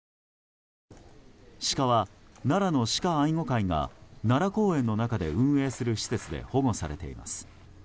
シカは奈良の鹿愛護会が奈良公園の中で運営する施設で保護されています。